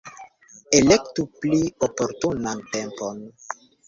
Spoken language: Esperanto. Elektu pli oportunan tempon.